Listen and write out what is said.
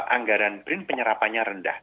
anggaran brin penyerapannya rendah